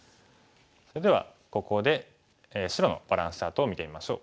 それではここで白のバランスチャートを見てみましょう。